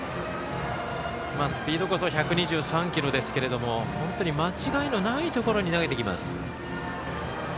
スピードこそ１２３キロですけど本当に間違いのないところに投げてきます。